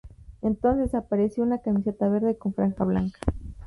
Entonces, apareció una camiseta verde con franja blanca.